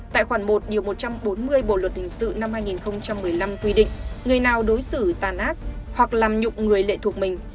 tại khoảng một điều một trăm bốn mươi bộ luật thình sự năm hai nghìn một mươi năm quy định người nào đối xử tàn ác hoặc làm nhục người lệ thuộc mình